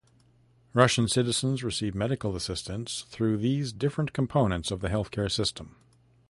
Russian citizens receive medical assistance through these different components of the healthcare system.